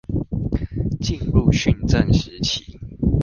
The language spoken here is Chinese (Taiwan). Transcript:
進入訓政時期